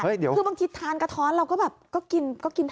คือบางทีทานกะท้อนเราก็กินทั้งหมด